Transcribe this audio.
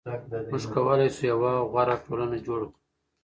موږ کولای شو یوه غوره ټولنه جوړه کړو.